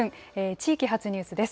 地域発ニュースです。